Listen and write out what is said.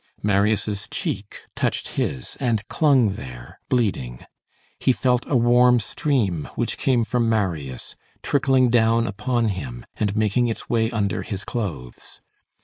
Marius' cheek touched his, and clung there, bleeding. He felt a warm stream which came from Marius trickling down upon him and making its way under his clothes.